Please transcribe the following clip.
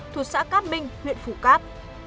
thuộc xã cát minh huyện phủ cát